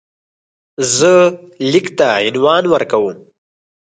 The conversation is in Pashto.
زه لیک ته عنوان ورکوم.